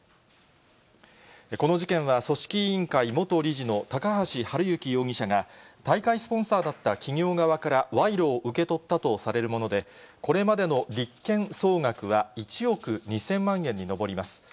この事件は組織委員会元理事の高橋治之容疑者が、大会スポンサーだった企業側から、賄賂を受け取ったとされるもので、これまでの立件総額は１億２０００万円に上ります。